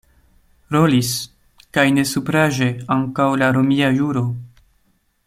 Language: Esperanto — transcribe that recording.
Rolis, kaj ne supraĵe, ankaŭ la romia juro.